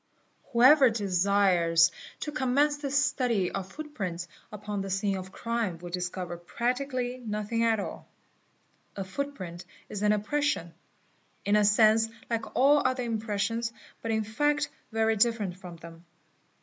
Whoever desires to commence the study of footprints upon the scene of the crime will discover practically nothing at all. A footprint is an impression, in a sense like all other impressions but in fact very different from them.